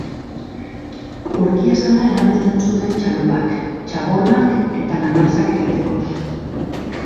Urki-azala erabiltzen zuten txalupak, txabolak eta lanabesak egiteko.